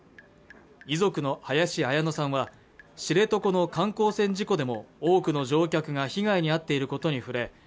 遺族の林彩乃さんは知床の観光船事故でも多くの乗客が被害に遭っていることに触れ